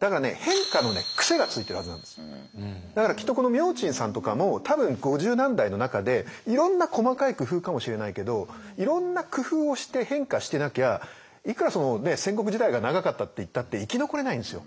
だからきっとこの明珍さんとかも多分五十何代の中でいろんな細かい工夫かもしれないけどいろんな工夫をして変化してなきゃいくら戦国時代が長かったっていったって生き残れないんですよ。